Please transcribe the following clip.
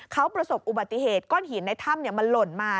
เขาประสบอุบัติเหตุก้อนหินในถ้ำมันหล่นมา